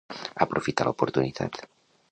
Aprofita l'oportunitat.